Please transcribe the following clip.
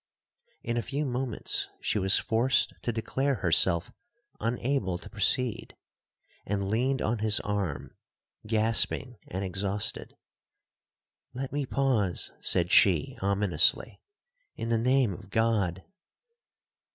'In a few moments, she was forced to declare herself unable to proceed, and leaned on his arm, gasping and exhausted. 'Let me pause,' said she ominously, 'in the name of God!'